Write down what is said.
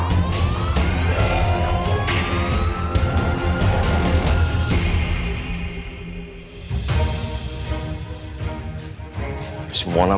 mama punya rencana